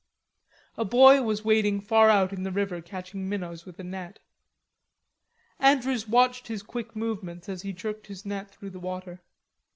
A boy was wading far out in the river catching minnows with a net. Andrews watched his quick movements as he jerked the net through the water.